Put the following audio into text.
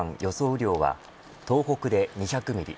雨量は東北で２００ミリ